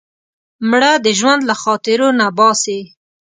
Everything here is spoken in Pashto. مړه د ژوند له خاطرو نه باسې